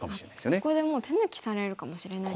ここでもう手抜きされるかもしれないんですね。